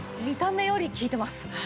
見た目より効いてます。